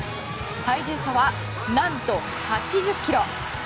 体重差はなんと、８０ｋｇ。